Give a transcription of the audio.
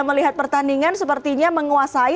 melihat pertandingan sepertinya menguasai